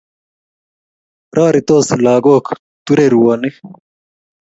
Roritos lagok, turei ruonik